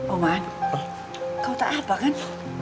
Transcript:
oh man kau tak apa kan